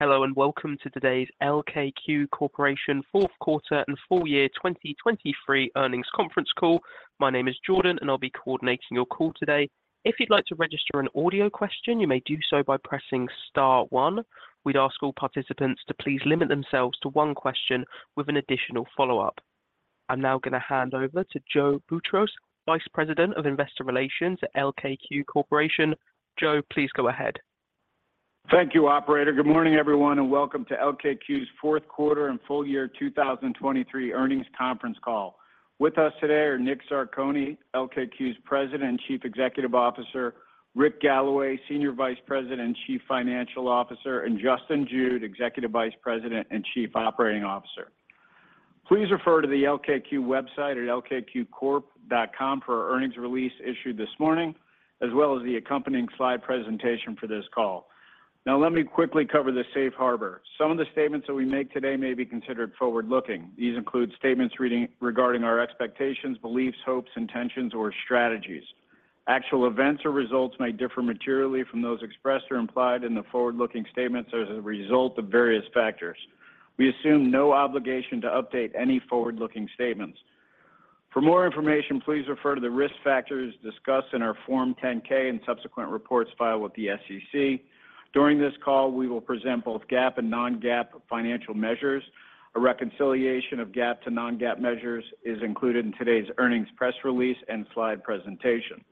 Hello and welcome to today's LKQ Corporation fourth quarter and full year 2023 earnings conference call. My name is Jordan and I'll be coordinating your call today. If you'd like to register an audio question, you may do so by pressing star one. We'd ask all participants to please limit themselves to one question with an additional follow-up. I'm now going to hand over to Joe Boutross, Vice President of Investor Relations at LKQ Corporation. Joe, please go ahead. Thank you, operator. Good morning everyone and welcome to LKQ's fourth quarter and full year 2023 earnings conference call. With us today are Nick Zarcone, LKQ's President and Chief Executive Officer, Rick Galloway, Senior Vice President and Chief Financial Officer, and Justin Jude, Executive Vice President and Chief Operating Officer. Please refer to the LKQ website at lkqcorp.com for our earnings release issued this morning, as well as the accompanying slide presentation for this call. Now let me quickly cover the safe harbor. Some of the statements that we make today may be considered forward-looking. These include statements regarding our expectations, beliefs, hopes, intentions, or strategies. Actual events or results may differ materially from those expressed or implied in the forward-looking statements as a result of various factors. We assume no obligation to update any forward-looking statements. For more information, please refer to the risk factors discussed in our Form 10-K and subsequent reports filed with the SEC. During this call, we will present both GAAP and non-GAAP financial measures. A reconciliation of GAAP to non-GAAP measures is included in today's earnings press release and slide presentation.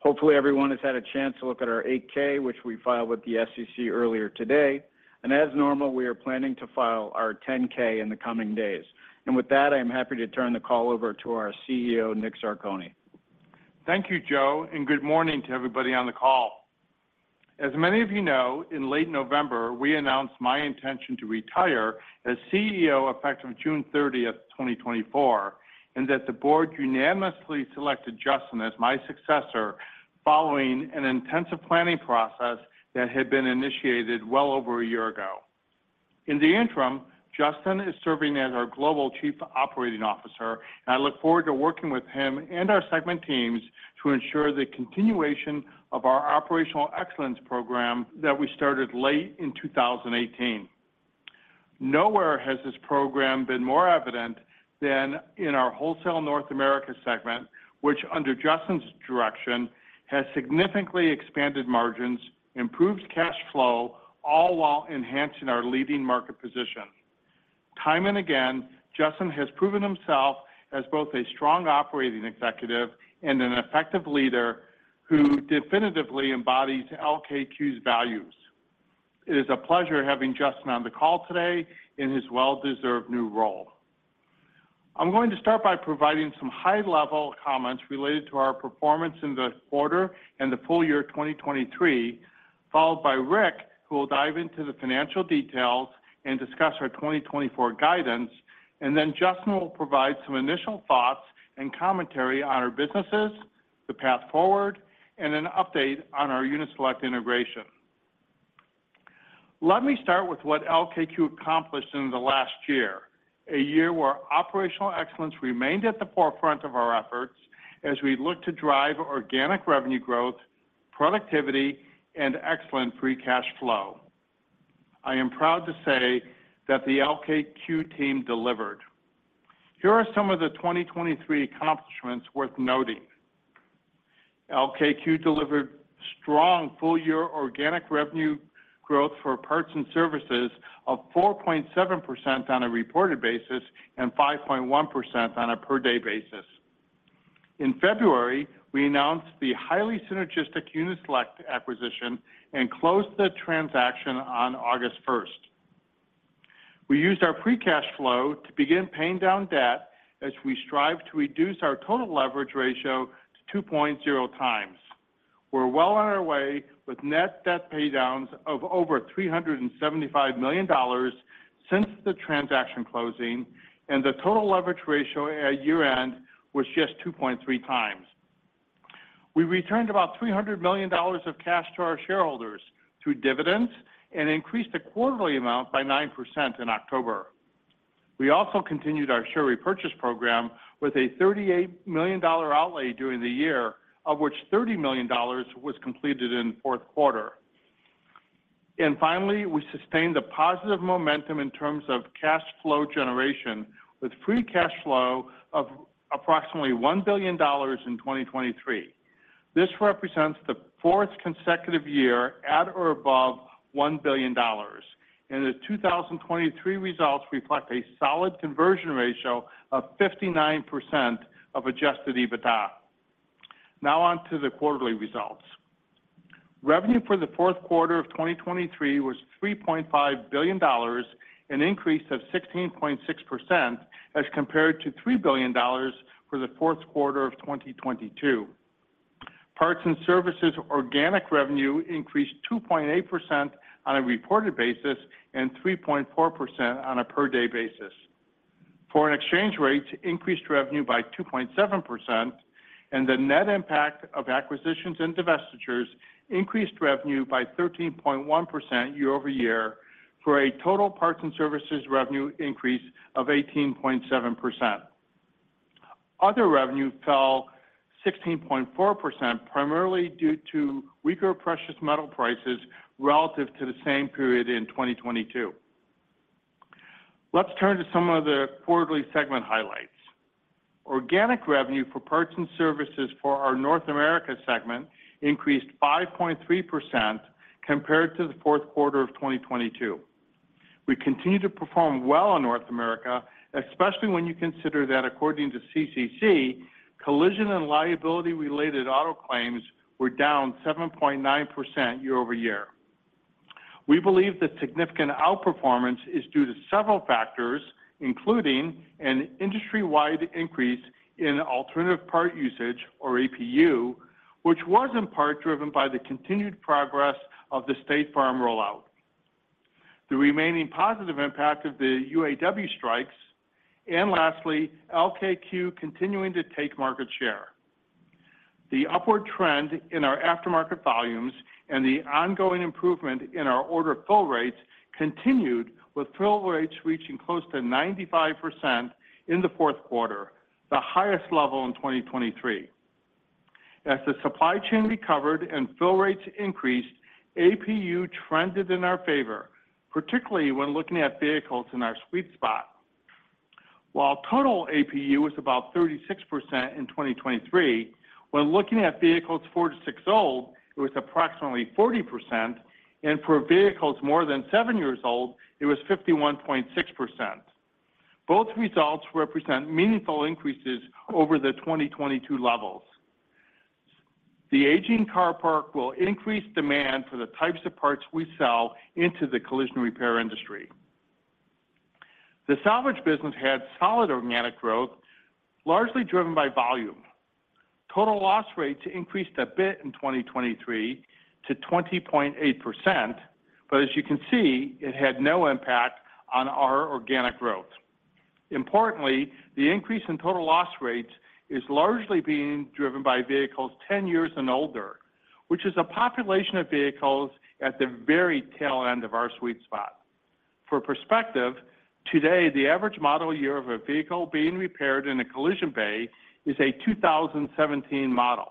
Hopefully everyone has had a chance to look at our Form 8-K, which we filed with the SEC earlier today. As normal, we are planning to file our Form 10-K in the coming days. With that, I am happy to turn the call over to our CEO, Nick Zarcone. Thank you, Joe, and good morning to everybody on the call. As many of you know, in late November we announced my intention to retire as CEO effective June 30th, 2024, and that the board unanimously selected Justin as my successor following an intensive planning process that had been initiated well over a year ago. In the interim, Justin is serving as our Global Chief Operating Officer, and I look forward to working with him and our segment teams to ensure the continuation of our operational excellence Program that we started late in 2018. Nowhere has this program been more evident than in our wholesale North America segment, which under Justin's direction has significantly expanded margins, improved cash flow, all while enhancing our leading market position. Time and again, Justin has proven himself as both a strong operating executive and an effective leader who definitively embodies LKQ's values. It is a pleasure having Justin on the call today in his well-deserved new role. I'm going to start by providing some high-level comments related to our performance in the quarter and the full year 2023, followed by Rick, who will dive into the financial details and discuss our 2024 guidance. Then Justin will provide some initial thoughts and commentary on our businesses, the path forward, and an update on our Uni-Select integration. Let me start with what LKQ accomplished in the last year, a year where operational excellence remained at the forefront of our efforts as we looked to drive organic revenue growth, productivity, and excellent free cash flow. I am proud to say that the LKQ team delivered. Here are some of the 2023 accomplishments worth noting. LKQ delivered strong full-year organic revenue growth for parts and services of 4.7% on a reported basis and 5.1% on a per-day basis. In February, we announced the highly synergistic Uni-Select acquisition and closed the transaction on August 1st. We used our free cash flow to begin paying down debt as we strive to reduce our total leverage ratio to 2.0x. We're well on our way with net debt paydowns of over $375 million since the transaction closing, and the total leverage ratio at year-end was just 2.3x. We returned about $300 million of cash to our shareholders through dividends and increased the quarterly amount by 9% in October. We also continued our stock repurchase program with a $38 million outlay during the year, of which $30 million was completed in the fourth quarter. Finally, we sustained a positive momentum in terms of cash flow generation with free cash flow of approximately $1 billion in 2023. This represents the fourth consecutive year at or above $1 billion. The 2023 results reflect a solid conversion ratio of 59% of adjusted EBITDA. Now onto the quarterly results. Revenue for the fourth quarter of 2023 was $3.5 billion, an increase of 16.6% as compared to $3 billion for the fourth quarter of 2022. Parts and services organic revenue increased 2.8% on a reported basis and 3.4% on a per-day basis. Foreign exchange rates increased revenue by 2.7%, and the net impact of acquisitions and divestitures increased revenue by 13.1% year-over-year for a total parts and services revenue increase of 18.7%. Other revenue fell 16.4% primarily due to weaker precious metal prices relative to the same period in 2022. Let's turn to some of the quarterly segment highlights. Organic revenue for parts and services for our North America segment increased 5.3% compared to the fourth quarter of 2022. We continue to perform well in North America, especially when you consider that according to CCC, collision and liability-related auto claims were down 7.9% year-over-year. We believe the significant outperformance is due to several factors, including an industry-wide increase in alternative part usage, or APU, which was in part driven by the continued progress of the State Farm rollout, the remaining positive impact of the UAW strikes, and lastly, LKQ continuing to take market share. The upward trend in our aftermarket volumes and the ongoing improvement in our order fill rates continued, with fill rates reaching close to 95% in the fourth quarter, the highest level in 2023. As the supply chain recovered and fill rates increased, APU trended in our favor, particularly when looking at vehicles in our sweet spot. While total APU was about 36% in 2023, when looking at vehicles four to six old, it was approximately 40%, and for vehicles more than seven years old, it was 51.6%. Both results represent meaningful increases over the 2022 levels. The aging car park will increase demand for the types of parts we sell into the collision repair industry. The salvage business had solid organic growth, largely driven by volume. Total loss rates increased a bit in 2023 to 20.8%, but as you can see, it had no impact on our organic growth. Importantly, the increase in total loss rates is largely being driven by vehicles 10 years and older, which is a population of vehicles at the very tail end of our sweet spot. For perspective, today the average model year of a vehicle being repaired in a collision bay is a 2017 model,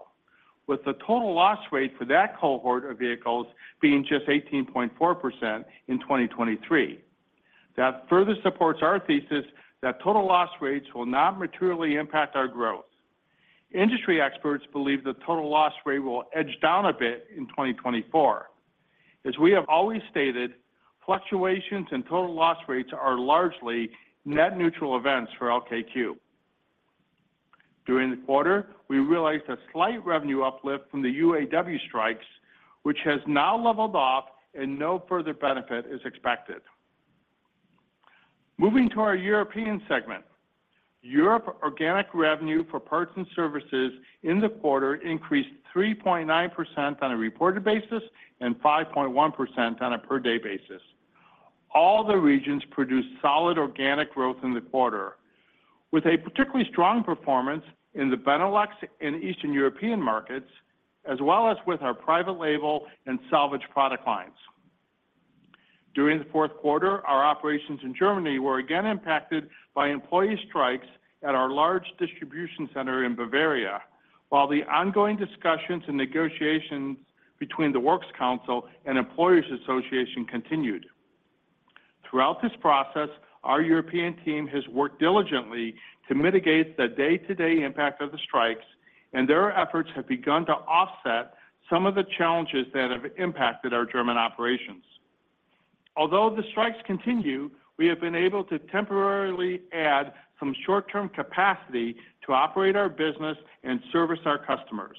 with the total loss rate for that cohort of vehicles being just 18.4% in 2023. That further supports our thesis that total loss rates will not materially impact our growth. Industry experts believe the total loss rate will edge down a bit in 2024. As we have always stated, fluctuations in total loss rates are largely net neutral events for LKQ. During the quarter, we realized a slight revenue uplift from the UAW strikes, which has now leveled off and no further benefit is expected. Moving to our European segment. Europe organic revenue for parts and services in the quarter increased 3.9% on a reported basis and 5.1% on a per-day basis. All the regions produced solid organic growth in the quarter, with a particularly strong performance in the Benelux and Eastern European markets, as well as with our private-label and salvage product lines. During the fourth quarter, our operations in Germany were again impacted by employee strikes at our large distribution center in Bavaria, while the ongoing discussions and negotiations between the Works Council and Employers Association continued. Throughout this process, our European team has worked diligently to mitigate the day-to-day impact of the strikes, and their efforts have begun to offset some of the challenges that have impacted our German operations. Although the strikes continue, we have been able to temporarily add some short-term capacity to operate our business and service our customers.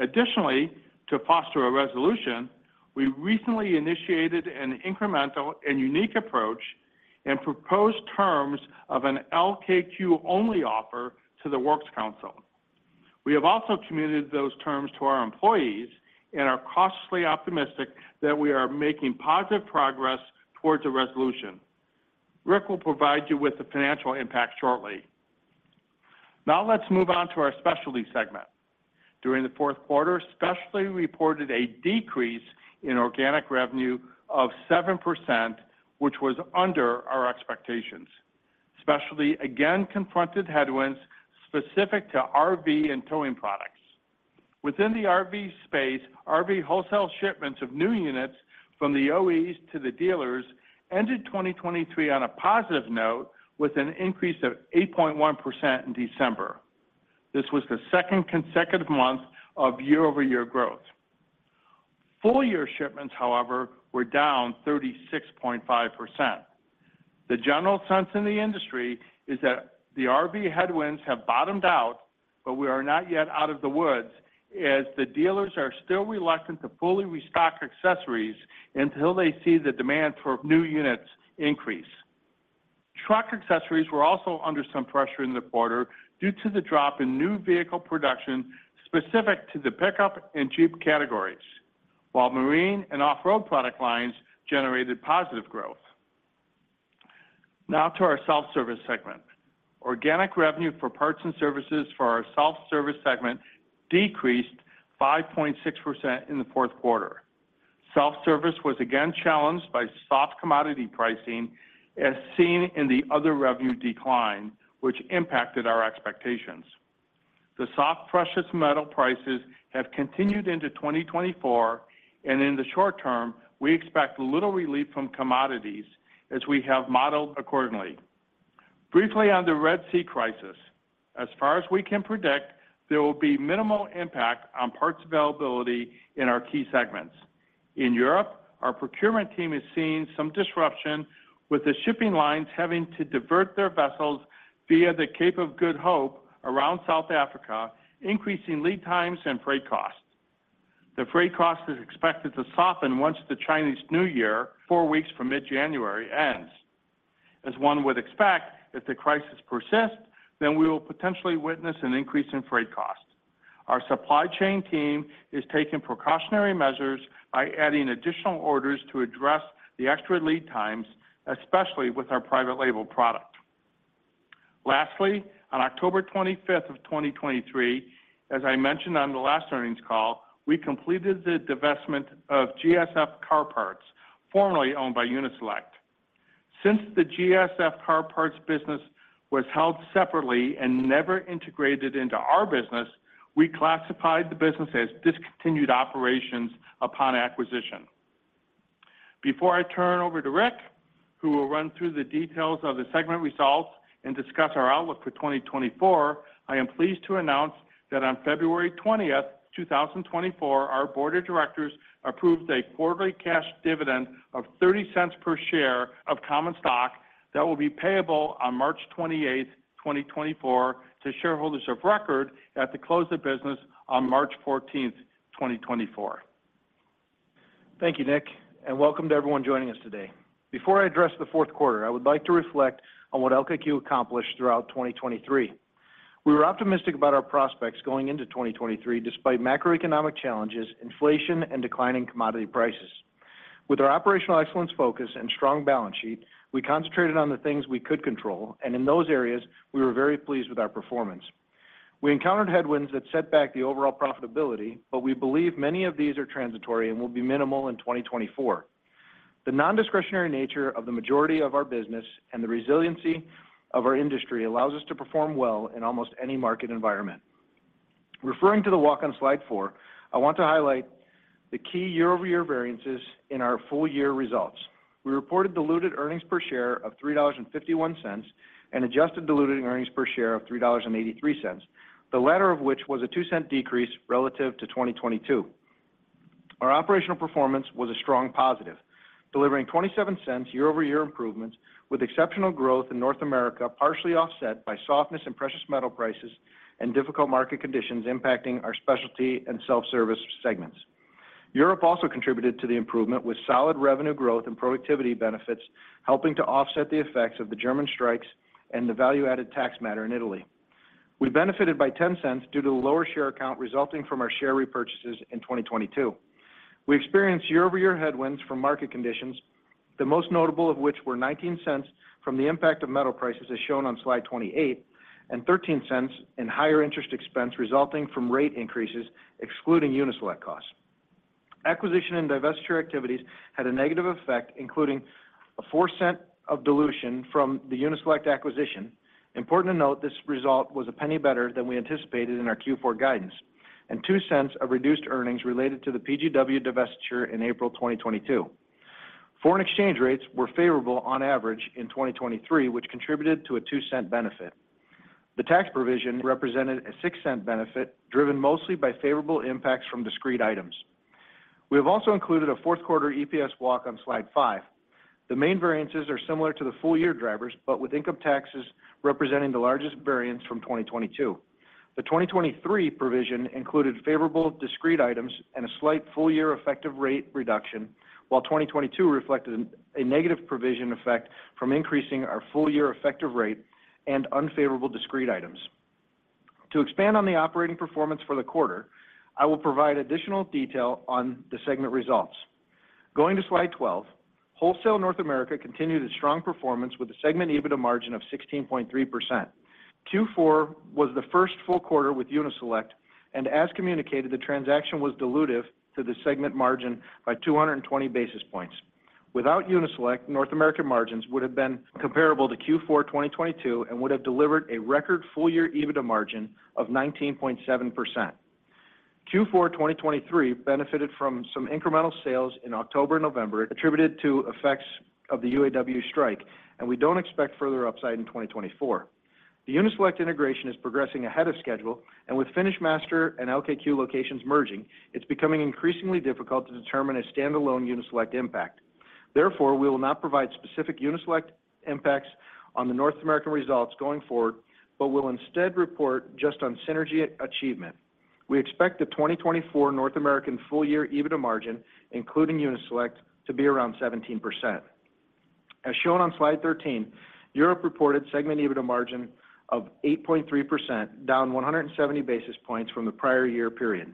Additionally, to foster a resolution, we recently initiated an incremental and unique approach and proposed terms of an LKQ-only offer to the Works Council. We have also communicated those terms to our employees, and are cautiously optimistic that we are making positive progress towards a resolution. Rick will provide you with the financial impact shortly. Now let's move on to our specialty segment. During the fourth quarter, specialty reported a decrease in organic revenue of 7%, which was under our expectations. Specialty again confronted headwinds specific to RV and towing products. Within the RV space, RV wholesale shipments of new units from the OEs to the dealers ended 2023 on a positive note with an increase of 8.1% in December. This was the second consecutive month of year-over-year growth. Full-year shipments, however, were down 36.5%. The general sense in the industry is that the RV headwinds have bottomed out, but we are not yet out of the woods as the dealers are still reluctant to fully restock accessories until they see the demand for new units increase. Truck accessories were also under some pressure in the quarter due to the drop in new vehicle production specific to the pickup and Jeep categories, while marine and off-road product lines generated positive growth. Now to our self-service segment. Organic revenue for parts and services for our self-service segment decreased 5.6% in the fourth quarter. Self-service was again challenged by soft commodity pricing, as seen in the other revenue decline, which impacted our expectations. The soft precious metal prices have continued into 2024, and in the short term, we expect little relief from commodities as we have modeled accordingly. Briefly on the Red Sea crisis. As far as we can predict, there will be minimal impact on parts availability in our key segments. In Europe, our procurement team is seeing some disruption, with the shipping lines having to divert their vessels via the Cape of Good Hope around South Africa, increasing lead times and freight costs. The freight costs are expected to soften once the Chinese New Year, four weeks from mid-January, ends. As one would expect, if the crisis persists, then we will potentially witness an increase in freight costs. Our supply chain team is taking precautionary measures by adding additional orders to address the extra lead times, especially with our private-label product. Lastly, on October 25th of 2023, as I mentioned on the last earnings call, we completed the divestment of GSF Car Parts, formerly owned by Uni-Select. Since the GSF Car Parts business was held separately and never integrated into our business, we classified the business as discontinued operations upon acquisition. Before I turn over to Rick, who will run through the details of the segment results and discuss our outlook for 2024, I am pleased to announce that on February 20th, 2024, our Board of Directors approved a quarterly cash dividend of $0.30 per share of common stock that will be payable on March 28th, 2024, to shareholders of record at the close of business on March 14th, 2024. Thank you, Nick, and welcome to everyone joining us today. Before I address the fourth quarter, I would like to reflect on what LKQ accomplished throughout 2023. We were optimistic about our prospects going into 2023 despite macroeconomic challenges, inflation, and declining commodity prices. With our operational excellence focus and strong balance sheet, we concentrated on the things we could control, and in those areas, we were very pleased with our performance. We encountered headwinds that set back the overall profitability, but we believe many of these are transitory and will be minimal in 2024. The nondiscretionary nature of the majority of our business and the resiliency of our industry allows us to perform well in almost any market environment. Referring to the walk-on slide four, I want to highlight the key year-over-year variances in our full-year results. We reported diluted earnings per share of $3.51 and adjusted diluted earnings per share of $3.83, the latter of which was a $0.02 decrease relative to 2022. Our operational performance was a strong positive, delivering $0.27 year-over-year improvements with exceptional growth in North America, partially offset by softness in precious metal prices and difficult market conditions impacting our specialty and self-service segments. Europe also contributed to the improvement with solid revenue growth and productivity benefits, helping to offset the effects of the German strikes and the value-added tax matter in Italy. We benefited by $0.10 due to the lower share account resulting from our share repurchases in 2022. We experienced year-over-year headwinds from market conditions, the most notable of which were $0.19 from the impact of metal prices, as shown on slide 28, and $0.13 in higher interest expense resulting from rate increases, excluding Uni-Select costs. Acquisition and divestiture activities had a negative effect, including a $0.04 of dilution from the Uni-Select acquisition. Important to note, this result was $0.01 better than we anticipated in our Q4 guidance, and $0.02 of reduced earnings related to the PGW divestiture in April 2022. Foreign exchange rates were favorable on average in 2023, which contributed to a $0.02 benefit. The tax provision represented a $0.06 benefit, driven mostly by favorable impacts from discrete items. We have also included a fourth-quarter EPS walk-on slide five. The main variances are similar to the full-year drivers, but with income taxes representing the largest variance from 2022. The 2023 provision included favorable discrete items and a slight full-year effective rate reduction, while 2022 reflected a negative provision effect from increasing our full-year effective rate and unfavorable discrete items. To expand on the operating performance for the quarter, I will provide additional detail on the segment results. Going to slide 12, Wholesale North America continued its strong performance with a segment EBITDA margin of 16.3%. Q4 was the first full quarter with Uni-Select, and as communicated, the transaction was dilutive to the segment margin by 220 basis points. Without Uni-Select, North American margins would have been comparable to Q4 2022 and would have delivered a record full-year EBITDA margin of 19.7%. Q4 2023 benefited from some incremental sales in October and November attributed to effects of the UAW strike, and we don't expect further upside in 2024. The Uni-Select integration is progressing ahead of schedule, and with FinishMaster and LKQ locations merging, it's becoming increasingly difficult to determine a standalone Uni-Select impact. Therefore, we will not provide specific Uni-Select impacts on the North American results going forward, but will instead report just on synergy achievement. We expect the 2024 North American full-year EBITDA margin, including Uni-Select, to be around 17%. As shown on slide 13, Europe reported segment EBITDA margin of 8.3%, down 170 basis points from the prior year period.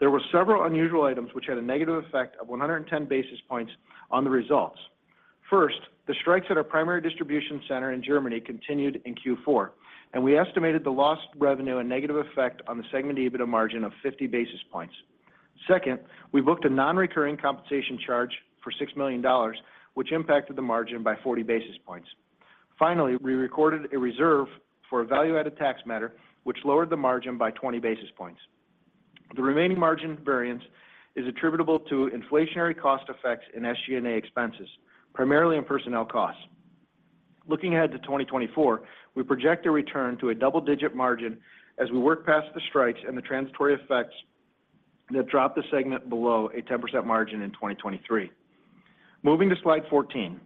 There were several unusual items which had a negative effect of 110 basis points on the results. First, the strikes at our primary distribution center in Germany continued in Q4, and we estimated the lost revenue and negative effect on the segment EBITDA margin of 50 basis points. Second, we booked a non-recurring compensation charge for $6 million, which impacted the margin by 40 basis points. Finally, we recorded a reserve for a value-added tax matter, which lowered the margin by 20 basis points. The remaining margin variance is attributable to inflationary cost effects in SG&A expenses, primarily in personnel costs. Looking ahead to 2024, we project a return to a double-digit margin as we work past the strikes and the transitory effects that dropped the segment below a 10% margin in 2023. Moving to slide 14.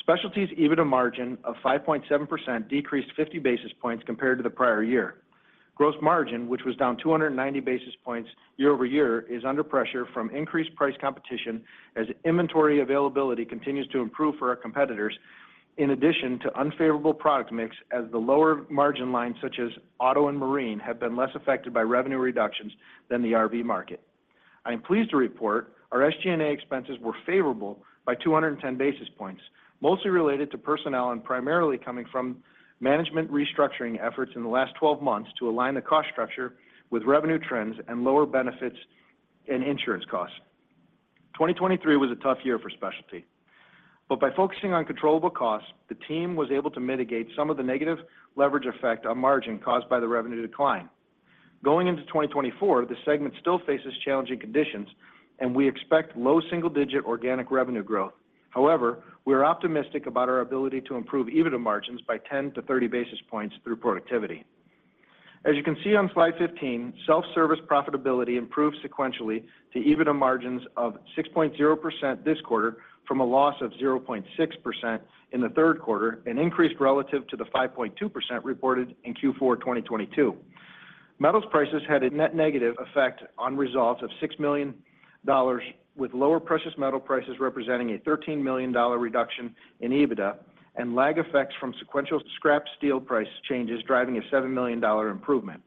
Specialty's EBITDA margin of 5.7% decreased 50 basis points compared to the prior year. Gross margin, which was down 290 basis points year-over-year, is under pressure from increased price competition as inventory availability continues to improve for our competitors, in addition to unfavorable product mix as the lower margin lines such as auto and marine have been less affected by revenue reductions than the RV market. I am pleased to report our SG&A expenses were favorable by 210 basis points, mostly related to personnel and primarily coming from management restructuring efforts in the last 12 months to align the cost structure with revenue trends and lower benefits and insurance costs. 2023 was a tough year for specialty. But by focusing on controllable costs, the team was able to mitigate some of the negative leverage effect on margin caused by the revenue decline. Going into 2024, the segment still faces challenging conditions, and we expect low single-digit organic revenue growth. However, we are optimistic about our ability to improve EBITDA margins by 10 basis points-30 basis points through productivity. As you can see on slide 15, self-service profitability improved sequentially to EBITDA margins of 6.0% this quarter from a loss of 0.6% in the third quarter and increased relative to the 5.2% reported in Q4 2022. Metals prices had a net negative effect on results of $6 million, with lower precious metal prices representing a $13 million reduction in EBITDA and lag effects from sequential scrap steel price changes driving a $7 million improvement.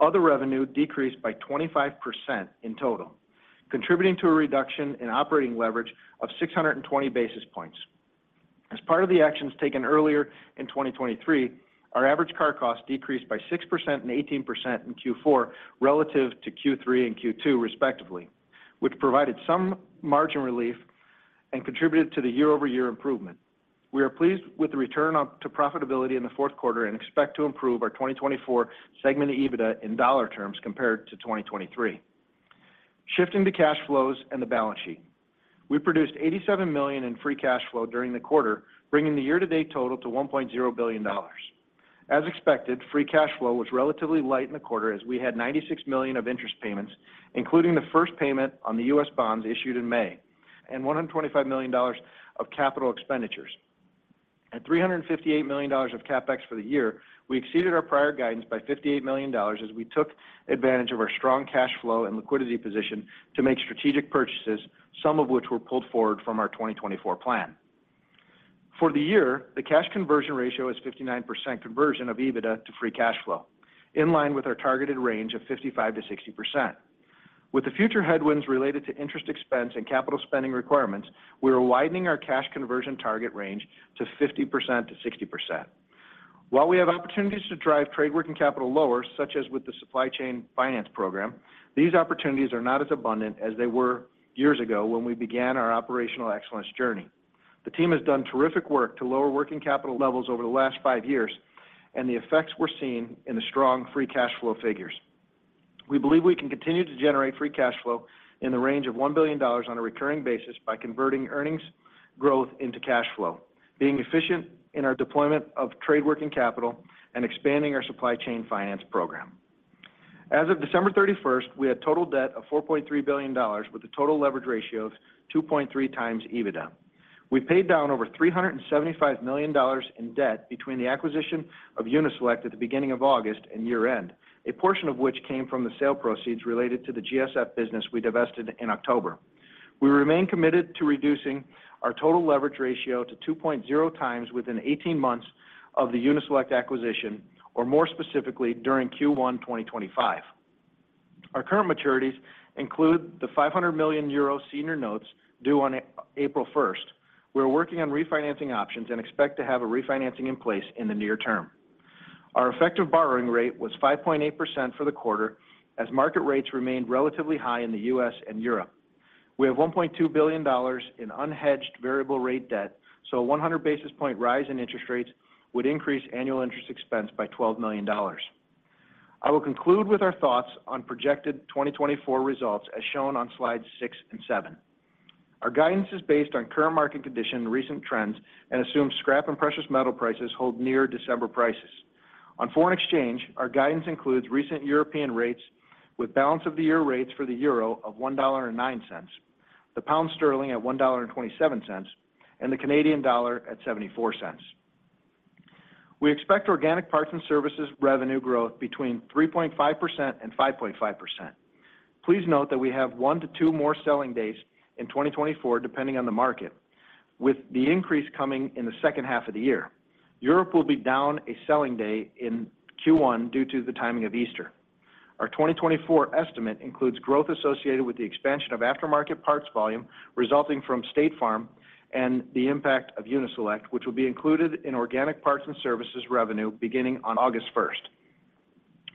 Other revenue decreased by 25% in total, contributing to a reduction in operating leverage of 620 basis points. As part of the actions taken earlier in 2023, our average car cost decreased by 6% and 18% in Q4 relative to Q3 and Q2, respectively, which provided some margin relief and contributed to the year-over-year improvement. We are pleased with the return to profitability in the fourth quarter and expect to improve our 2024 segment EBITDA in dollar terms compared to 2023. Shifting to cash flows and the balance sheet. We produced $87 million in free cash flow during the quarter, bringing the year-to-date total to $1.0 billion. As expected, free cash flow was relatively light in the quarter as we had $96 million of interest payments, including the first payment on the U.S. bonds issued in May, and $125 million of capital expenditures. At $358 million of CapEx for the year, we exceeded our prior guidance by $58 million as we took advantage of our strong cash flow and liquidity position to make strategic purchases, some of which were pulled forward from our 2024 plan. For the year, the cash conversion ratio is 59% conversion of EBITDA to free cash flow, in line with our targeted range of 55%-60%. With the future headwinds related to interest expense and capital spending requirements, we are widening our cash conversion target range to 50%-60%. While we have opportunities to drive trade working capital lower, such as with the supply chain finance program, these opportunities are not as abundant as they were years ago when we began our operational excellence journey. The team has done terrific work to lower working capital levels over the last five years, and the effects were seen in the strong free cash flow figures. We believe we can continue to generate free cash flow in the range of $1 billion on a recurring basis by converting earnings growth into cash flow, being efficient in our deployment of trade working capital, and expanding our supply chain finance program. As of December 31st, we had total debt of $4.3 billion, with a total leverage ratio of 2.3x EBITDA. We paid down over $375 million in debt between the acquisition of Uni-Select at the beginning of August and year-end, a portion of which came from the sale proceeds related to the GSF business we divested in October. We remain committed to reducing our total leverage ratio to 2.0x within 18 months of the Uni-Select acquisition, or more specifically during Q1 2025. Our current maturities include the 500 million euro senior notes due on April 1st. We are working on refinancing options and expect to have a refinancing in place in the near term. Our effective borrowing rate was 5.8% for the quarter as market rates remained relatively high in the U.S. and Europe. We have $1.2 billion in unhedged variable rate debt, so a 100 basis point rise in interest rates would increase annual interest expense by $12 million. I will conclude with our thoughts on projected 2024 results as shown on slides six and seven. Our guidance is based on current market condition, recent trends, and assumes scrap and precious metal prices hold near December prices. On foreign exchange, our guidance includes recent European rates with balance of the year rates for the euro of $1.09, the pound sterling at $1.27, and the Canadian dollar at $0.74. We expect organic parts and services revenue growth between 3.5%-5.5%. Please note that we have one to two more selling days in 2024 depending on the market, with the increase coming in the second half of the year. Europe will be down a selling day in Q1 due to the timing of Easter. Our 2024 estimate includes growth associated with the expansion of aftermarket parts volume resulting from State Farm and the impact of Uni-Select, which will be included in organic parts and services revenue beginning on August 1st.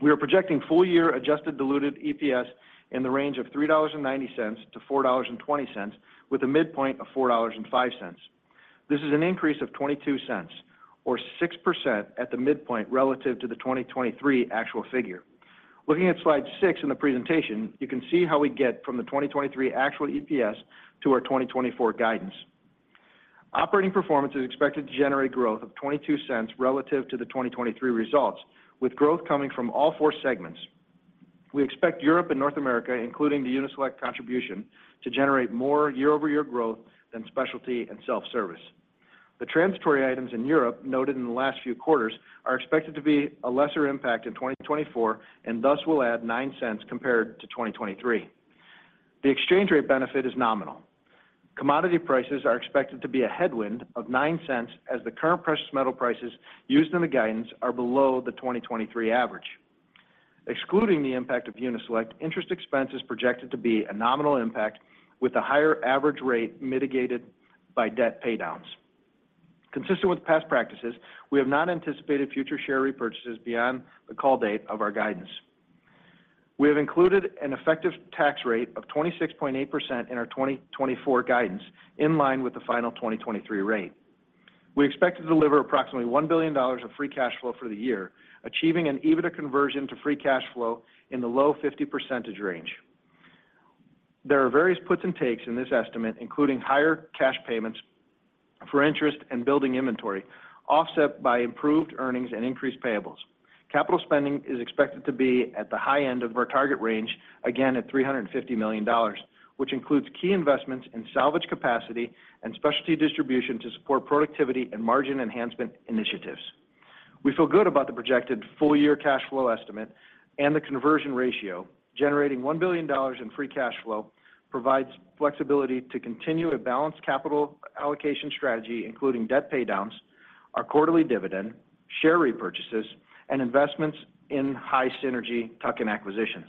We are projecting full-year adjusted diluted EPS in the range of $3.90-$4.20, with a midpoint of $4.05. This is an increase of $0.22, or 6% at the midpoint relative to the 2023 actual figure. Looking at slide 6 in the presentation, you can see how we get from the 2023 actual EPS to our 2024 guidance. Operating performance is expected to generate growth of $0.22 relative to the 2023 results, with growth coming from all four segments. We expect Europe and North America, including the Uni-Select contribution, to generate more year-over-year growth than specialty and self-service. The transitory items in Europe noted in the last few quarters are expected to be a lesser impact in 2024 and thus will add $0.09 compared to 2023. The exchange rate benefit is nominal. Commodity prices are expected to be a headwind of $0.09 as the current precious metal prices used in the guidance are below the 2023 average. Excluding the impact of Uni-Select, interest expense is projected to be a nominal impact with a higher average rate mitigated by debt paydowns. Consistent with past practices, we have not anticipated future share repurchases beyond the call date of our guidance. We have included an effective tax rate of 26.8% in our 2024 guidance in line with the final 2023 rate. We expect to deliver approximately $1 billion of free cash flow for the year, achieving an EBITDA conversion to free cash flow in the low 50% range. There are various puts and takes in this estimate, including higher cash payments for interest and building inventory offset by improved earnings and increased payables. Capital spending is expected to be at the high end of our target range, again at $350 million, which includes key investments in salvage capacity and specialty distribution to support productivity and margin enhancement initiatives. We feel good about the projected full-year cash flow estimate and the conversion ratio. Generating $1 billion in free cash flow provides flexibility to continue a balanced capital allocation strategy, including debt paydowns, our quarterly dividend, share repurchases, and investments in high synergy tuck-in acquisitions.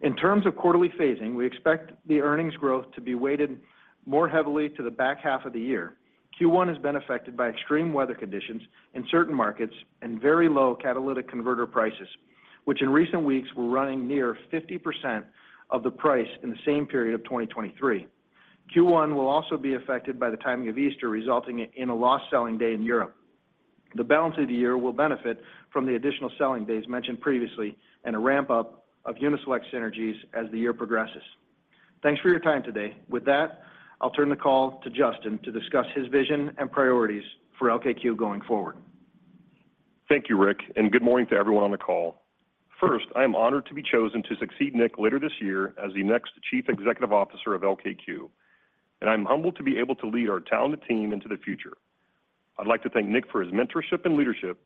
In terms of quarterly phasing, we expect the earnings growth to be weighted more heavily to the back half of the year. Q1 has been affected by extreme weather conditions in certain markets and very low catalytic converter prices, which in recent weeks were running near 50% of the price in the same period of 2023. Q1 will also be affected by the timing of Easter, resulting in a lost selling day in Europe. The balance of the year will benefit from the additional selling days mentioned previously and a ramp-up of Uni-Select synergies as the year progresses. Thanks for your time today. With that, I'll turn the call to Justin to discuss his vision and priorities for LKQ going forward. Thank you, Rick, and good morning to everyone on the call. First, I am honored to be chosen to succeed Nick later this year as the next Chief Executive Officer of LKQ, and I'm humbled to be able to lead our talented team into the future. I'd like to thank Nick for his mentorship and leadership,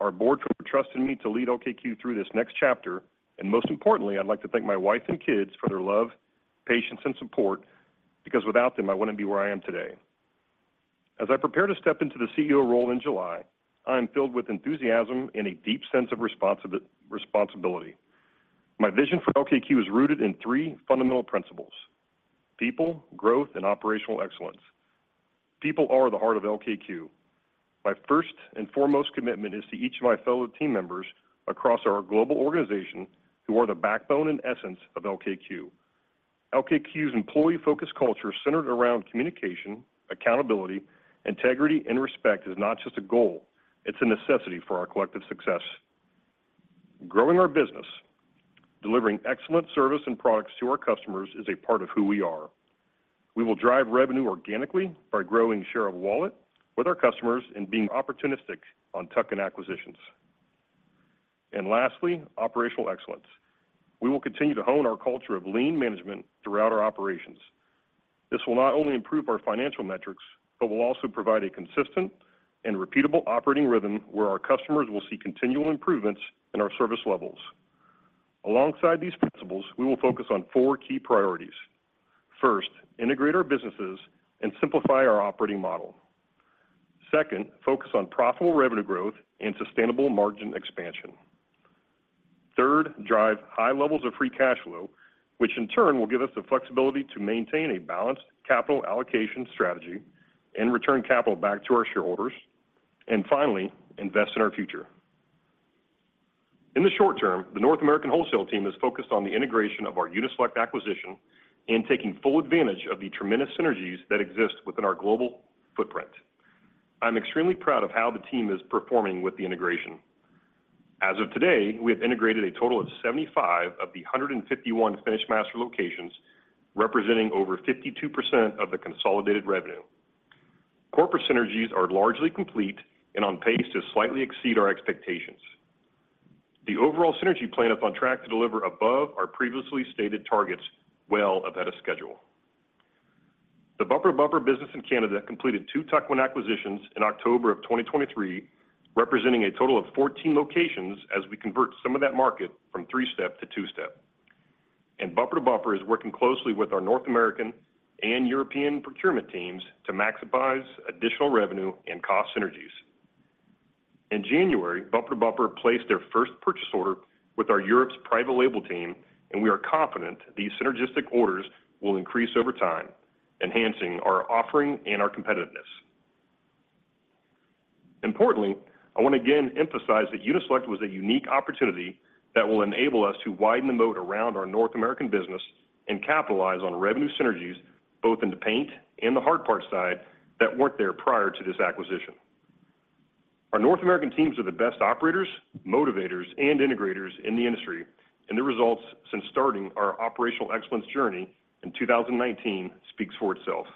our board for trusting me to lead LKQ through this next chapter, and most importantly, I'd like to thank my wife and kids for their love, patience, and support, because without them, I wouldn't be where I am today. As I prepare to step into the CEO role in July, I am filled with enthusiasm and a deep sense of responsibility. My vision for LKQ is rooted in three fundamental principles: people, growth, and operational excellence. People are the heart of LKQ. My first and foremost commitment is to each of my fellow team members across our global organization who are the backbone and essence of LKQ. LKQ's employee-focused culture centered around communication, accountability, integrity, and respect is not just a goal. It's a necessity for our collective success. Growing our business, delivering excellent service and products to our customers, is a part of who we are. We will drive revenue organically by growing share of wallet with our customers and being opportunistic on tuck-in acquisitions. And lastly, operational excellence. We will continue to hone our culture of lean management throughout our operations. This will not only improve our financial metrics but will also provide a consistent and repeatable operating rhythm where our customers will see continual improvements in our service levels. Alongside these principles, we will focus on four key priorities. First, integrate our businesses and simplify our operating model. Second, focus on profitable revenue growth and sustainable margin expansion. Third, drive high levels of free cash flow, which in turn will give us the flexibility to maintain a balanced capital allocation strategy and return capital back to our shareholders. And finally, invest in our future. In the short term, the North American Wholesale team is focused on the integration of our Uni-Select acquisition and taking full advantage of the tremendous synergies that exist within our global footprint. I'm extremely proud of how the team is performing with the integration. As of today, we have integrated a total of 75 of the 151 FinishMaster locations, representing over 52% of the consolidated revenue. Corporate synergies are largely complete and on pace to slightly exceed our expectations. The overall synergy plan is on track to deliver above our previously stated targets well ahead of schedule. The Bumper to Bumper business in Canada completed two tuck-in acquisitions in October of 2023, representing a total of 14 locations as we convert some of that market from three-step to two-step. Bumper to Bumper is working closely with our North American and European procurement teams to maximize additional revenue and cost synergies. In January, Bumper to Bumper placed their first purchase order with our European private-label team, and we are confident these synergistic orders will increase over time, enhancing our offering and our competitiveness. Importantly, I want to again emphasize that Uni-Select was a unique opportunity that will enable us to widen the moat around our North American business and capitalize on revenue synergies both in the paint and the hard part side that weren't there prior to this acquisition. Our North American teams are the best operators, motivators, and integrators in the industry, and the results since starting our operational excellence journey in 2019 speak for itself.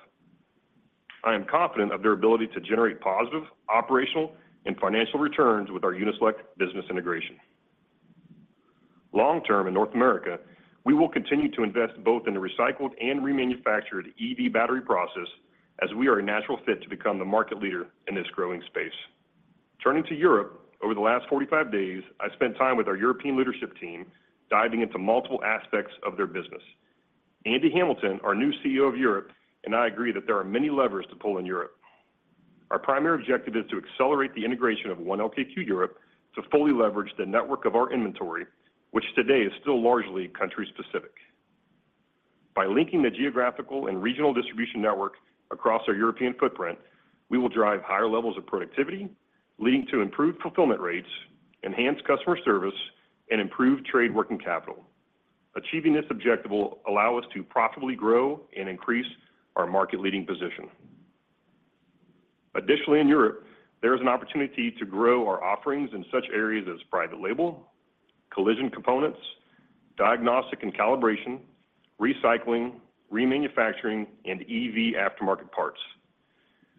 I am confident of their ability to generate positive operational and financial returns with our Uni-Select business integration. Long-term in North America, we will continue to invest both in the recycled and remanufactured EV battery process as we are a natural fit to become the market leader in this growing space. Turning to Europe, over the last 45 days, I spent time with our European leadership team diving into multiple aspects of their business. Andy Hamilton, our new CEO of Europe. I agree that there are many levers to pull in Europe. Our primary objective is to accelerate the integration of One LKQ Europe to fully leverage the network of our inventory, which today is still largely country-specific. By linking the geographical and regional distribution network across our European footprint, we will drive higher levels of productivity, leading to improved fulfillment rates, enhanced customer service, and improved trade working capital. Achieving this objective will allow us to profitably grow and increase our market-leading position. Additionally, in Europe, there is an opportunity to grow our offerings in such areas as private-label, collision components, diagnostic and calibration, recycling, remanufacturing, and EV aftermarket parts.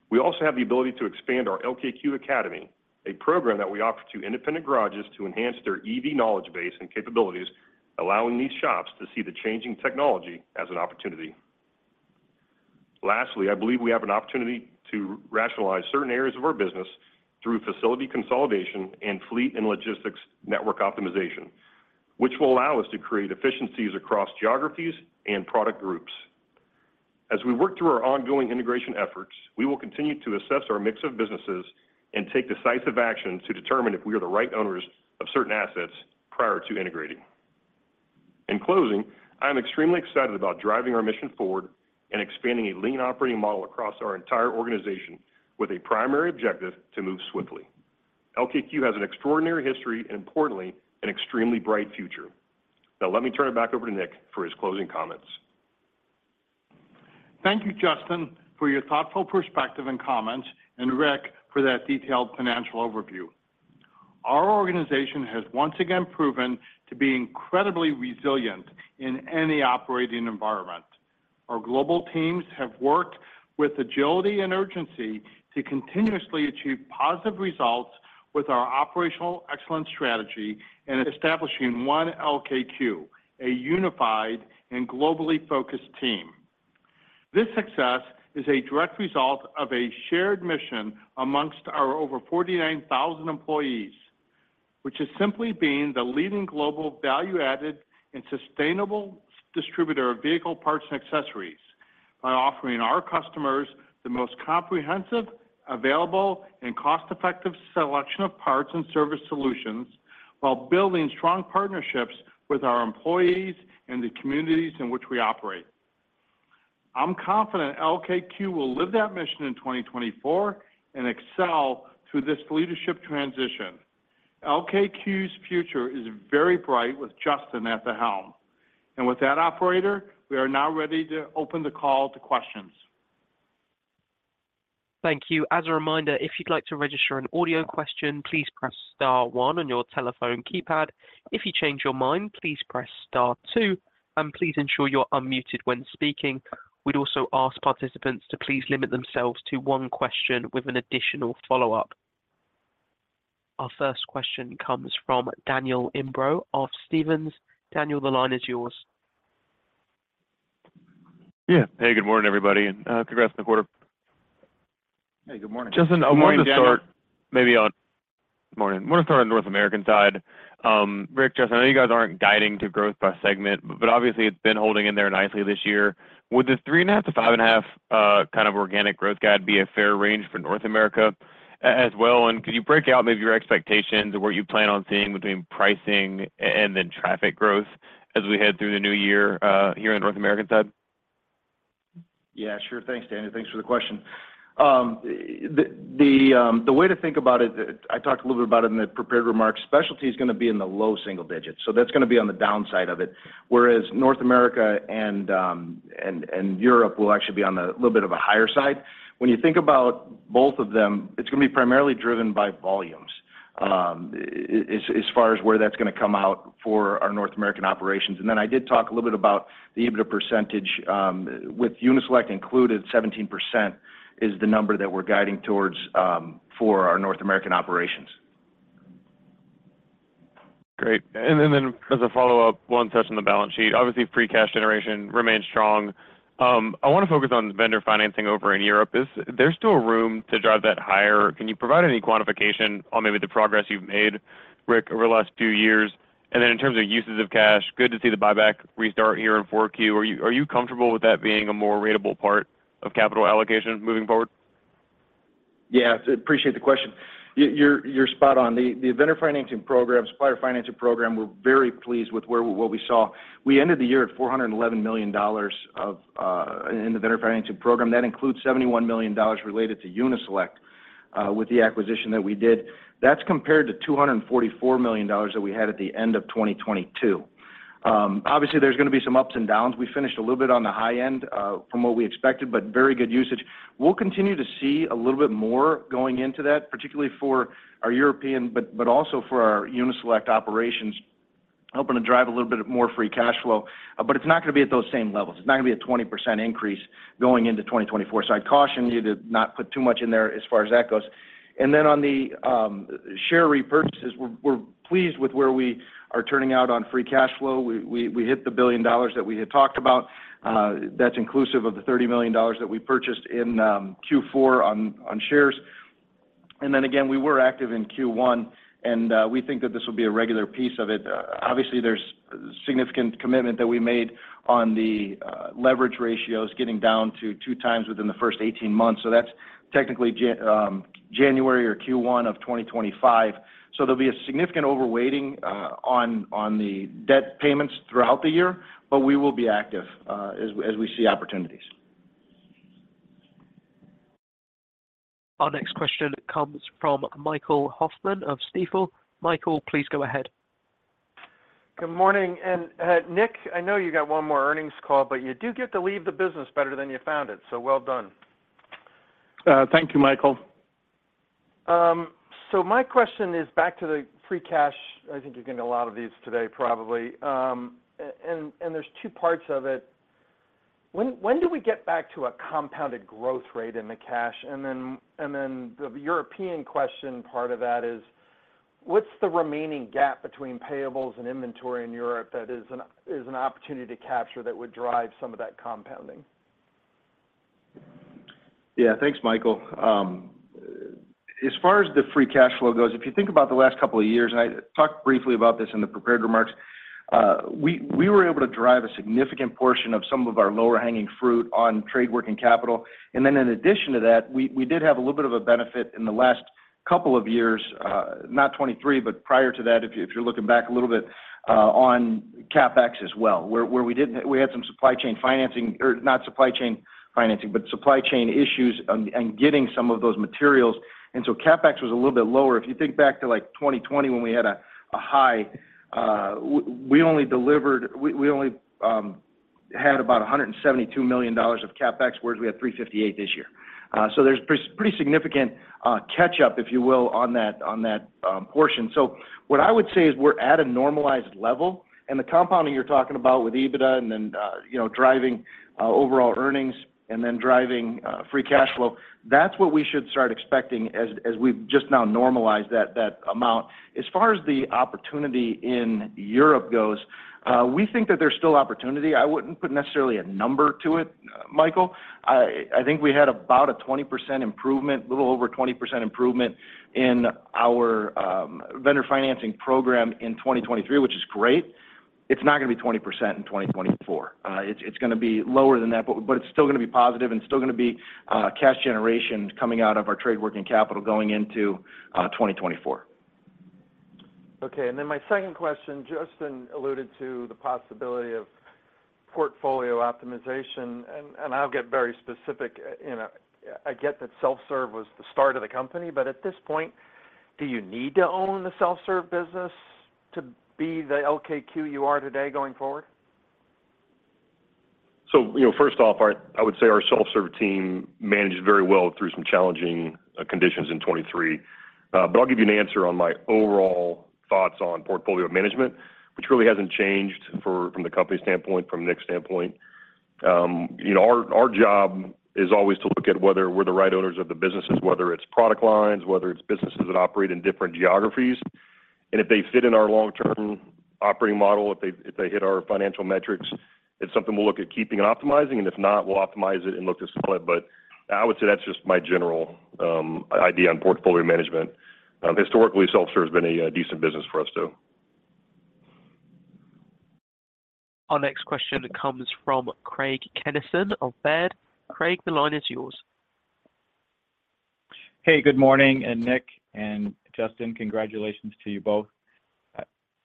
We also have the ability to expand our LKQ Academy, a program that we offer to independent garages to enhance their EV knowledge base and capabilities, allowing these shops to see the changing technology as an opportunity. Lastly, I believe we have an opportunity to rationalize certain areas of our business through facility consolidation and fleet and logistics network optimization, which will allow us to create efficiencies across geographies and product groups. As we work through our ongoing integration efforts, we will continue to assess our mix of businesses and take decisive action to determine if we are the right owners of certain assets prior to integrating. In closing, I am extremely excited about driving our mission forward and expanding a lean operating model across our entire organization with a primary objective to move swiftly. LKQ has an extraordinary history and, importantly, an extremely bright future. Now, let me turn it back over to Nick for his closing comments. Thank you, Justin, for your thoughtful perspective and comments, and Rick for that detailed financial overview. Our organization has once again proven to be incredibly resilient in any operating environment. Our global teams have worked with agility and urgency to continuously achieve positive results with our operational excellence strategy and establishing One LKQ, a unified and globally focused team. This success is a direct result of a shared mission among our over 49,000 employees, which is simply being the leading global value-added and sustainable distributor of vehicle parts and accessories by offering our customers the most comprehensive, available, and cost-effective selection of parts and service solutions while building strong partnerships with our employees and the communities in which we operate. I'm confident LKQ will live that mission in 2024 and excel through this leadership transition. LKQ's future is very bright with Justin at the helm. With that, operator, we are now ready to open the call to questions. Thank you. As a reminder, if you'd like to register an audio question, please press star one on your telephone keypad. If you change your mind, please press star two, and please ensure you're unmuted when speaking. We'd also ask participants to please limit themselves to one question with an additional follow-up. Our first question comes from Daniel Imbro of Stephens. Daniel, the line is yours. Yeah. Hey, good morning, everybody, and congrats on the quarter. Hey, good morning. Justin, I wanted to start on the North American side. Rick, Justin, I know you guys aren't guiding to growth by segment, but obviously, it's been holding in there nicely this year. Would the 3.5-5.5 kind of organic growth guide be a fair range for North America as well? And could you break out maybe your expectations of what you plan on seeing between pricing and then traffic growth as we head through the new year here on the North American side? Yeah, sure. Thanks, Daniel. Thanks for the question. The way to think about it, I talked a little bit about it in the prepared remarks, specialty is going to be in the low single digits. So that's going to be on the downside of it, whereas North America and Europe will actually be on a little bit of a higher side. When you think about both of them, it's going to be primarily driven by volumes as far as where that's going to come out for our North American operations. And then I did talk a little bit about the EBITDA percentage. With Uni-Select included, 17% is the number that we're guiding towards for our North American operations. Great. And then as a follow-up, one session on the balance sheet. Obviously, free cash generation remains strong. I want to focus on vendor financing over in Europe. Is there still room to drive that higher? Can you provide any quantification on maybe the progress you've made, Rick, over the last few years? And then in terms of uses of cash, good to see the buyback restart here in 4Q. Are you comfortable with that being a more ratable part of capital allocation moving forward? Yeah, I appreciate the question. You're spot on. The vendor financing program, supplier financing program, we're very pleased with what we saw. We ended the year at $411 million in the vendor financing program. That includes $71 million related to Uni-Select with the acquisition that we did. That's compared to $244 million that we had at the end of 2022. Obviously, there's going to be some ups and downs. We finished a little bit on the high end from what we expected, but very good usage. We'll continue to see a little bit more going into that, particularly for our European, but also for our Uni-Select operations, hoping to drive a little bit more free cash flow. But it's not going to be at those same levels. It's not going to be a 20% increase going into 2024. So I'd caution you to not put too much in there as far as that goes. Then on the share repurchases, we're pleased with where we are turning out on free cash flow. We hit the $1 billion that we had talked about. That's inclusive of the $30 million that we purchased in Q4 on shares. Then again, we were active in Q1, and we think that this will be a regular piece of it. Obviously, there's significant commitment that we made on the leverage ratios getting down to 2x within the first 18 months. So that's technically January or Q1 of 2025. So there'll be a significant overweighting on the debt payments throughout the year, but we will be active as we see opportunities. Our next question comes from Michael Hoffman of Stifel. Michael, please go ahead. Good morning. Nick, I know you got one more earnings call, but you do get to leave the business better than you found it. Well done. Thank you, Michael. So my question is back to the free cash. I think you're getting a lot of these today, probably. There's two parts of it. When do we get back to a compounded growth rate in the cash? Then the European question part of that is, what's the remaining gap between payables and inventory in Europe that is an opportunity to capture that would drive some of that compounding? Yeah, thanks, Michael. As far as the free cash flow goes, if you think about the last couple of years, and I talked briefly about this in the prepared remarks, we were able to drive a significant portion of some of our lower-hanging fruit on trade working capital. And then in addition to that, we did have a little bit of a benefit in the last couple of years, not 2023, but prior to that, if you're looking back a little bit, on CapEx as well, where we had some supply chain financing or not supply chain financing, but supply chain issues and getting some of those materials. And so CapEx was a little bit lower. If you think back to 2020 when we had a high, we only had about $172 million of CapEx, whereas we had $358 million this year. So there's pretty significant catch-up, if you will, on that portion. So what I would say is we're at a normalized level. The compounding you're talking about with EBITDA and then driving overall earnings and then driving free cash flow, that's what we should start expecting as we've just now normalized that amount. As far as the opportunity in Europe goes, we think that there's still opportunity. I wouldn't put necessarily a number to it, Michael. I think we had about a 20% improvement, a little over 20% improvement in our vendor financing program in 2023, which is great. It's not going to be 20% in 2024. It's going to be lower than that, but it's still going to be positive and still going to be cash generation coming out of our trade working capital going into 2024. Okay. And then my second question, Justin alluded to the possibility of portfolio optimization, and I'll get very specific. I get that self-serve was the start of the company, but at this point, do you need to own the self-serve business to be the LKQ you are today going forward? So first off, I would say our self-serve team managed very well through some challenging conditions in 2023. But I'll give you an answer on my overall thoughts on portfolio management, which really hasn't changed from the company standpoint, from Nick's standpoint. Our job is always to look at whether we're the right owners of the businesses, whether it's product lines, whether it's businesses that operate in different geographies. And if they fit in our long-term operating model, if they hit our financial metrics, it's something we'll look at keeping and optimizing. And if not, we'll optimize it and look to sell it. But I would say that's just my general idea on portfolio management. Historically, self-serve has been a decent business for us, though. Our next question comes from Craig Kennison of Baird. Craig, the line is yours. Hey, good morning. Nick and Justin, congratulations to you both.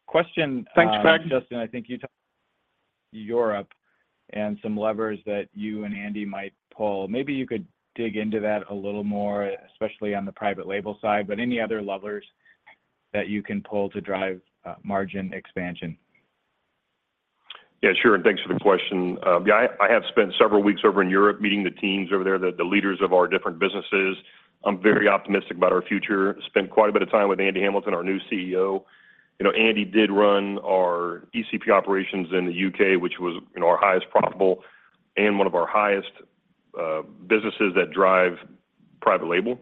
Question. Thanks, Craig. Justin, I think you talked about Europe and some levers that you and Andy might pull. Maybe you could dig into that a little more, especially on the private-label side, but any other levers that you can pull to drive margin expansion. Yeah, sure. And thanks for the question. Yeah, I have spent several weeks over in Europe meeting the teams over there, the leaders of our different businesses. I'm very optimistic about our future. Spent quite a bit of time with Andy Hamilton, our new CEO. Andy did run our ECP operations in the U.K., which was our highest profitable and one of our highest businesses that drive private-label.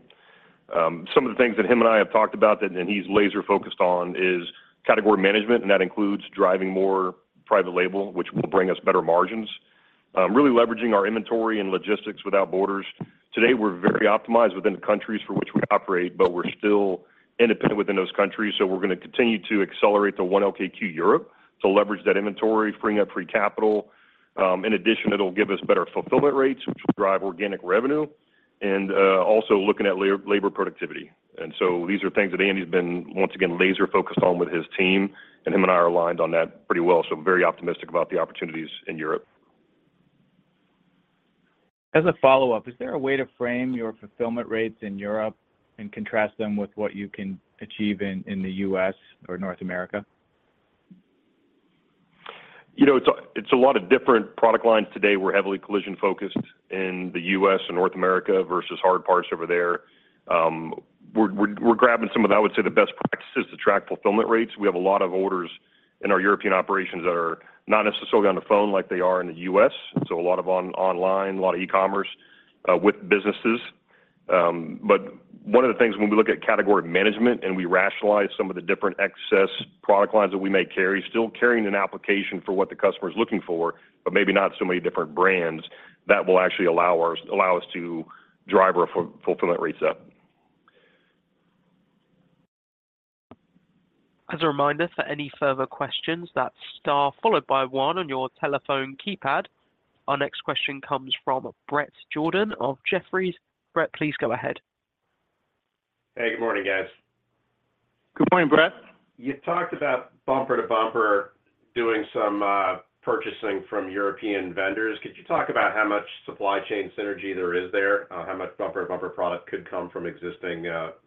Some of the things that him and I have talked about that he's laser-focused on is category management, and that includes driving more private-label, which will bring us better margins, really leveraging our inventory and logistics without borders. Today, we're very optimized within the countries for which we operate, but we're still independent within those countries. So we're going to continue to accelerate the One LKQ Europe to leverage that inventory, freeing up free capital. In addition, it'll give us better fulfillment rates, which will drive organic revenue, and also looking at labor productivity. And so these are things that Andy's been, once again, laser-focused on with his team, and him and I are aligned on that pretty well. So very optimistic about the opportunities in Europe. As a follow-up, is there a way to frame your fulfillment rates in Europe and contrast them with what you can achieve in the U.S. or North America? It's a lot of different product lines today. We're heavily collision-focused in the U.S. and North America versus hard parts over there. We're grabbing some of, I would say, the best practices to track fulfillment rates. We have a lot of orders in our European operations that are not necessarily on the phone like they are in the U.S. So a lot of online, a lot of e-commerce with businesses. But one of the things when we look at category management and we rationalize some of the different excess product lines that we may carry, still carrying an application for what the customer is looking for, but maybe not so many different brands, that will actually allow us to drive our fulfillment rates up. As a reminder for any further questions, that's star followed by one on your telephone keypad. Our next question comes from Bret Jordan of Jefferies. Bret, please go ahead. Hey, good morning, guys. Good morning, Bret. You talked about Bumper to Bumper doing some purchasing from European vendors. Could you talk about how much supply chain synergy there is there, how much Bumper to Bumper product could come from existing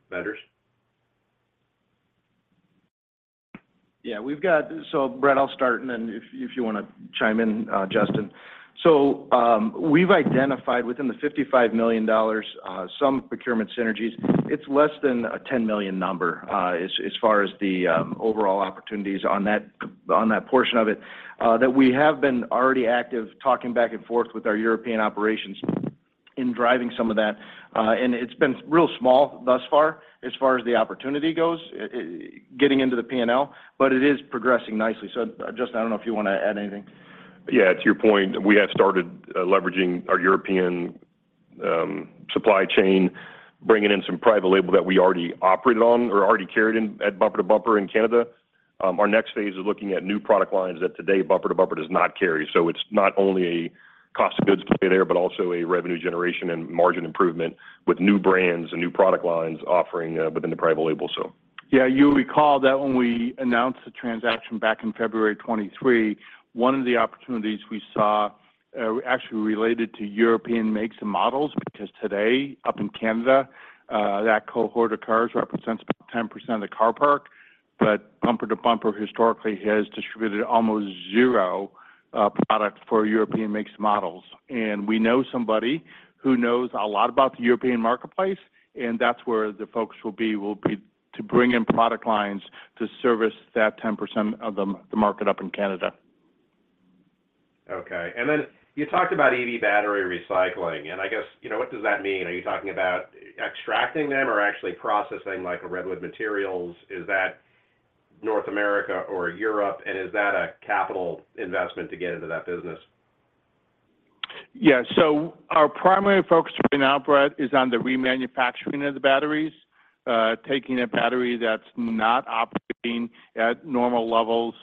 vendors? Yeah. So, Bret, I'll start, and then if you want to chime in, Justin. So we've identified within the $55 million some procurement synergies. It's less than a $10 million number as far as the overall opportunities on that portion of it that we have been already active talking back and forth with our European operations in driving some of that. And it's been real small thus far as far as the opportunity goes, getting into the P&L, but it is progressing nicely. So, Justin, I don't know if you want to add anything. Yeah, to your point, we have started leveraging our European supply chain, bringing in some private-label that we already operated on or already carried at Bumper to Bumper in Canada. Our next phase is looking at new product lines that today Bumper to Bumper does not carry. So it's not only a cost of goods play there, but also a revenue generation and margin improvement with new brands and new product lines offering within the private-label, so. Yeah, you'll recall that when we announced the transaction back in February 2023, one of the opportunities we saw actually related to European makes and models because today, up in Canada, that cohort of cars represents about 10% of the car park. But Bumper to Bumper, historically, has distributed almost zero product for European makes and models. And we know somebody who knows a lot about the European marketplace, and that's where the focus will be, will be to bring in product lines to service that 10% of the market up in Canada. Okay. Then you talked about EV battery recycling. And I guess, what does that mean? Are you talking about extracting them or actually processing Redwood Materials? Is that North America or Europe? And is that a capital investment to get into that business? Yeah. So our primary focus right now, Brett, is on the remanufacturing of the batteries, taking a battery that's not operating at normal levels,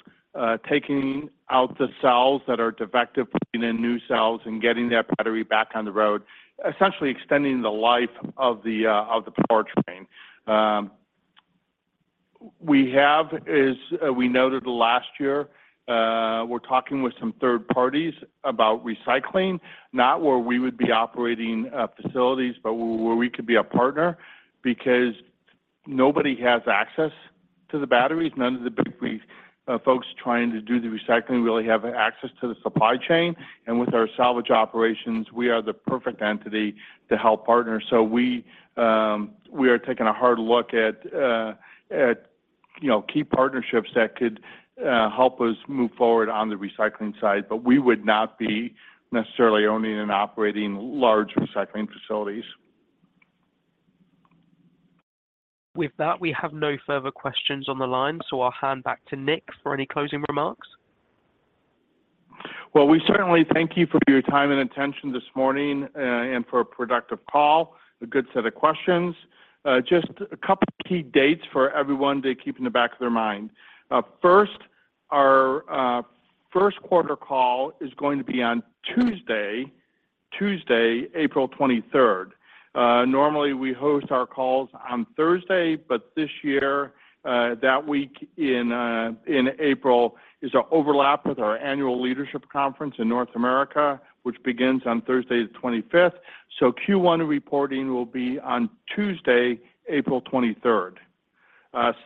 taking out the cells that are defective, putting in new cells, and getting that battery back on the road, essentially extending the life of the powertrain. We have, as we noted last year, we're talking with some third parties about recycling, not where we would be operating facilities, but where we could be a partner because nobody has access to the batteries. None of the big folks trying to do the recycling really have access to the supply chain. And with our salvage operations, we are the perfect entity to help partner. So we are taking a hard look at key partnerships that could help us move forward on the recycling side, but we would not be necessarily owning and operating large recycling facilities. With that, we have no further questions on the line. So I'll hand back to Nick for any closing remarks. Well, we certainly thank you for your time and attention this morning and for a productive call, a good set of questions. Just a couple of key dates for everyone to keep in the back of their mind. First, our first quarter call is going to be on Tuesday, April 23rd. Normally, we host our calls on Thursday, but this year, that week in April is an overlap with our annual leadership conference in North America, which begins on Thursday, the 25th. So Q1 reporting will be on Tuesday, April 23rd.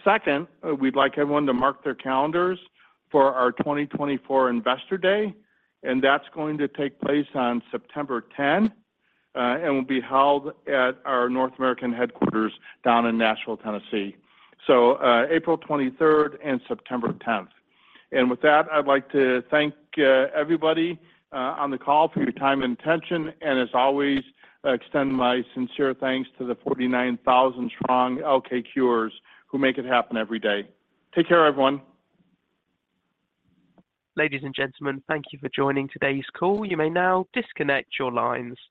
Second, we'd like everyone to mark their calendars for our 2024 Investor Day. And that's going to take place on September 10th and will be held at our North American headquarters down in Nashville, Tennessee. So April 23rd and September 10th. And with that, I'd like to thank everybody on the call for your time and attention. As always, extend my sincere thanks to the 49,000-strong LKQers who make it happen every day. Take care, everyone. Ladies and gentlemen, thank you for joining today's call. You may now disconnect your lines.